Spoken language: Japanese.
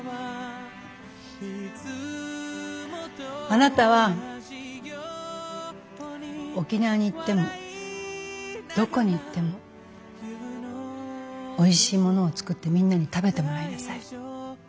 あなたは沖縄に行ってもどこに行ってもおいしいものを作ってみんなに食べてもらいなさい。